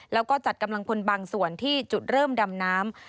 แล้วก็จัดกำลังพลบางส่วนที่จุดเริ่มดำน้ำ